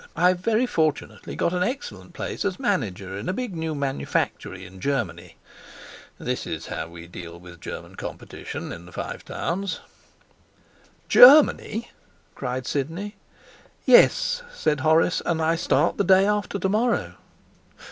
I've very fortunately got an excellent place as manager in a big new manufactory in Germany.' (This is how we deal with German competition in the Five Towns.) 'Germany?' cried Sidney. 'Yes,' said Horace; 'and I start the day after tomorrow.'